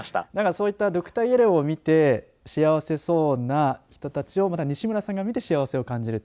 そういったドクターイエローを見て幸せそうな人たちをまた西村さんが見て幸せを感じる。